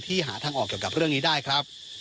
หาทางออกเกี่ยวกับเรื่องนี้ได้ครับ